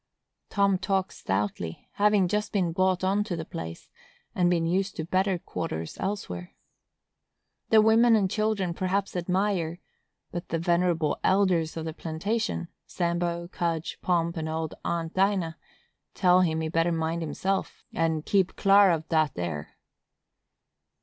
Tom talks stoutly, having just been bought on to the place, and been used to better quarters elsewhere. The women and children perhaps admire, but the venerable elders of the plantation,—Sambo, Cudge, Pomp and old Aunt Dinah,—tell him he better mind himself, and keep clar o' dat ar.